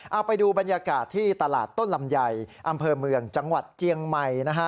เอาไปดูบรรยากาศที่ตลาดต้นลำไยอำเภอเมืองจังหวัดเจียงใหม่นะฮะ